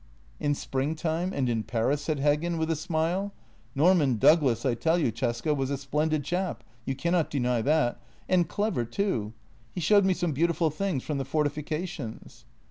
"" In spring time and in Paris," said Heggen, with a smile. " Norman Douglas, I tell you, Cesca, was a splendid chap — you cannot deny that — and clever too. He showed me some beautiful things from the fortifications."